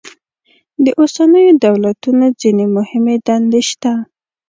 د اوسنیو دولتونو ځینې مهمې دندې شته.